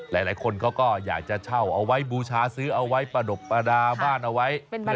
หลายคนเขาก็อยากจะเช่าเอาไว้บูชาซื้อเอาไว้ประดบประดาบ้านเอาไว้